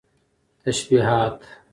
تشبيهات